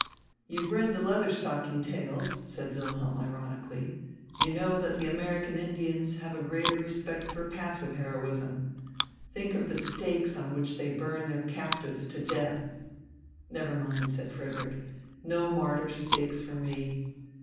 "You've read the 'Leather stocking Tales,'" said Wilhelm, ironically. "You know that the American Indians have greater respect for passive heroism. Think of the stakes on which they burn their captives to death." "Never mind," said Frederick. "No martyr stakes for me.